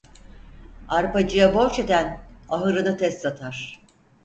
Arpacıya borç eden, ahırını tez satar.